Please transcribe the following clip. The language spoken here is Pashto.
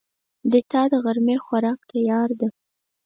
د تا دغرمې خوراک تیار ده